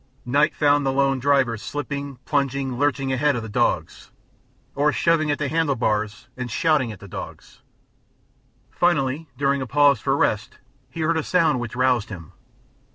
Night found the lone driver slipping, plunging, lurching ahead of the dogs, or shoving at the handle bars and shouting at the dogs. Finally, during a pause for rest he heard a sound which roused him.